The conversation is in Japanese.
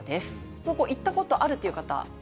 ここ、行ったことあるという方？